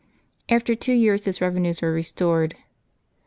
After two years his revenues were re stored.